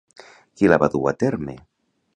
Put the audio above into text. Qui la va dur a terme?